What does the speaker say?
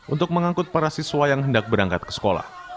untuk mengangkut para siswa yang hendak berangkat ke sekolah